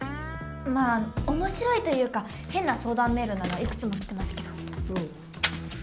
まあ面白いというか変な相談メールならいくつも来てますけど。